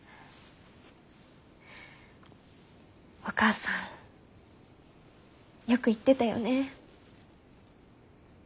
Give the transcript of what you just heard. お母さんよく言ってたよね。